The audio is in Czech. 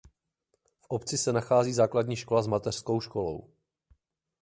V obci se nachází základní škola s mateřskou školou.